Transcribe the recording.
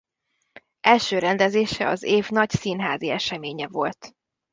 Első rendezése az év nagy színházi eseménye volt.